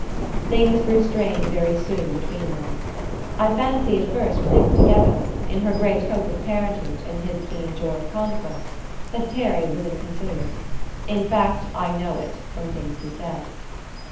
Things grew strained very soon between them. I fancy at first, when they were together, in her great hope of parentage and his keen joy of conquest that Terry was inconsiderate. In fact, I know it, from things he said.